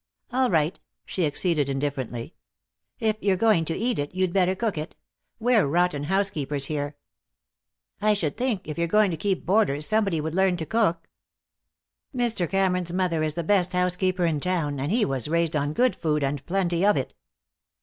"All right," she acceded indifferently. "If you're going to eat it you'd better cook it. We're rotten housekeepers here." "I should think, if you're going to keep boarders, somebody would learn to cook. Mr. Cameron's mother is the best housekeeper in town, and he was raised on good food and plenty of it."